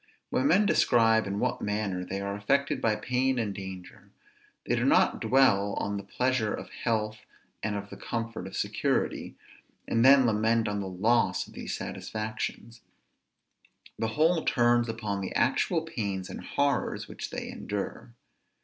When men describe in what manner they are affected by pain and danger, they do not dwell on the pleasure of health and the comfort of security, and then lament the loss of these satisfactions: the whole turns upon the actual pains and horrors which they endure.